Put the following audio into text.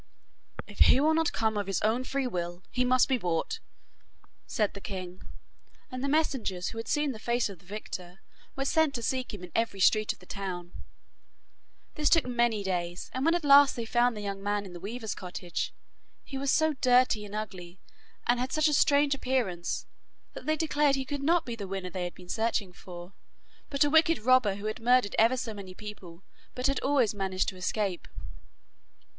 'If he will not come of his own free will, he must be brought,' said the king, and the messengers who had seen the face of the victor were sent to seek him in every street of the town. This took many days, and when at last they found the young man in the weaver's cottage, he was so dirty and ugly and had such a strange appearance, that they declared he could not be the winner they had been searching for, but a wicked robber who had murdered ever so many people, but had always managed to escape.